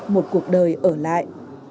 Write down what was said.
một cuộc đời ở lại